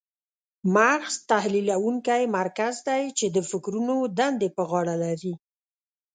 مغز تحلیلونکی مرکز دی چې د فکرونو دندې په غاړه لري.